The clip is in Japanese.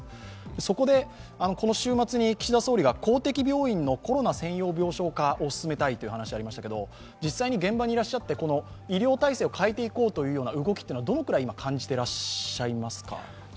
そこでこの週末に岸田総理が公的病院のコロナ専用病床化を進めたいという話がありましたが実際に現場にいらっしゃって医療体制を変えていこうという動きはどのくらい感じていらっしゃいますか？